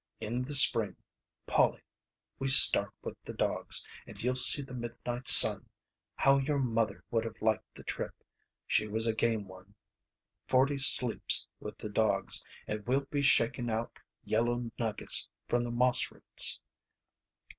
In the spring, Polly, we start with the dogs, and you'll see the midnight sun. How your mother would have liked the trip. She was a game one. Forty sleeps with the dogs, and we'll be shaking out yellow nuggets from the moss roots.